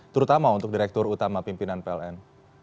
terutama untuk direktur utama pimpinan pln